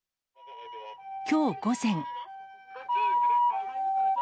きょう午前。